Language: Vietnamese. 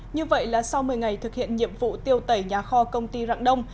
như vậy là sau một mươi ngày thực hiện nhiệm vụ tiêu tẩy nhà kho công ty rạng đông